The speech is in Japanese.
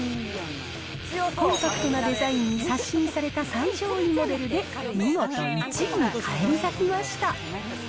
コンパクトなデザインに刷新された最上位モデルで見事１位に返り咲きました。